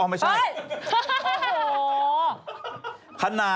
อ้อไม่ใช่โอ้โฮ